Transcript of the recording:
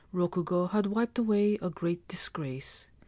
Rokugo had wiped away a great disgrace.